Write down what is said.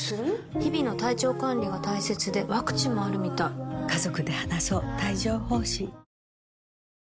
日々の体調管理が大切でワクチンもあるみたい先生！